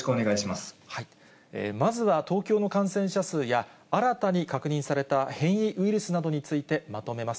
まずは東京都の感染者数や、新たに確認された変異ウイルスなどについてまとめます。